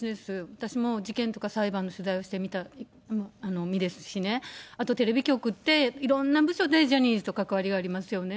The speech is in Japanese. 私も事件とか裁判の取材をしていた身ですしね、あと、テレビ局って、いろんな部署でジャニーズと関わりがありますよね。